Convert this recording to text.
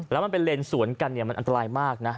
แล้วมันเป็นเลนสวนกันเนี่ยมันอันตรายมากนะ